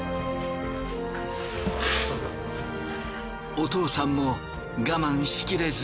お父さんも我慢しきれず。